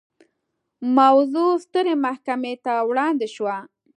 موضوع سترې محکمې ته وړاندې شوه.